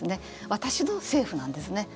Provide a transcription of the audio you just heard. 私の政府なんですね。